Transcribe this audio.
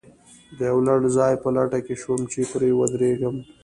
د یوه لوړ ځای په لټه کې شوم، چې پرې ودرېږم.